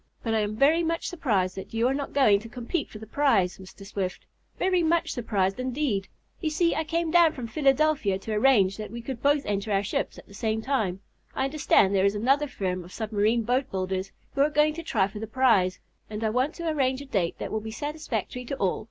But I am very much surprised that you are not going to compete for the prize, Mr. Swift. Very much surprised, indeed! You see, I came down from Philadelphia to arrange so that we could both enter our ships at the same time. I understand there is another firm of submarine boat builders who are going to try for the prize, and I want to arrange a date that will be satisfactory to all.